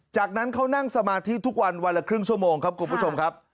จากนั้นเขานั่งสมาธิทุกวันวันละครึ่งชั่วโมงครับคุณผู้ชมครับ